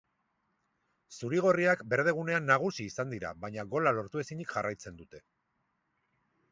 Zuri-gorriak berdegunean nagusi izan dira, baina gola lortu ezinik jarraitzen dute.